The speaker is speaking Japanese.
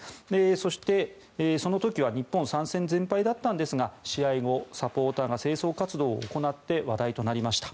そして、その時は日本３戦全敗だったんですが試合後、サポーターが清掃活動を行って話題となりました。